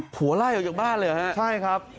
หัวไล่ออกจากบ้านเลยเหรอฮะ